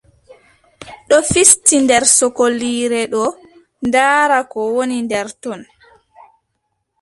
Ɗo fisti nder sokoliire ɗo ndaara ko woni nder ton.